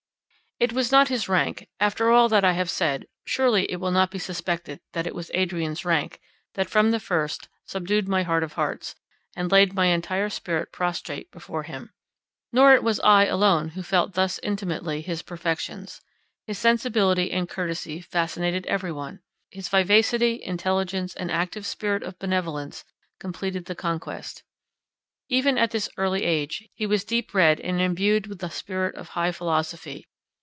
It was not his rank—after all that I have said, surely it will not be suspected that it was Adrian's rank, that, from the first, subdued my heart of hearts, and laid my entire spirit prostrate before him. Nor was it I alone who felt thus intimately his perfections. His sensibility and courtesy fascinated every one. His vivacity, intelligence, and active spirit of benevolence, completed the conquest. Even at this early age, he was deep read and imbued with the spirit of high philosophy.